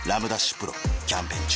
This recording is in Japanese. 丕劭蓮キャンペーン中